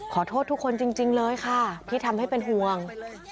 ขอโทษทุกคนจริงเลยค่ะที่ทำให้เป็นห่วง